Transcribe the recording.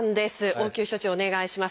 応急処置をお願いします。